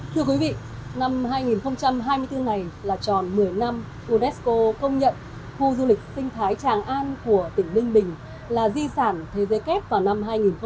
thưa quý vị năm hai nghìn hai mươi bốn này là tròn một mươi năm unesco công nhận khu du lịch sinh thái tràng an của tỉnh ninh bình là di sản thế giới kép vào năm hai nghìn một mươi